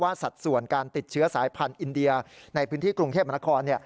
สัดส่วนการติดเชื้อสายพันธุ์อินเดียในพื้นที่กรุงเทพมนาคม